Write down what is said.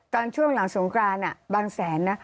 ตอนช่วงหลังสงกรานบางแสนนะ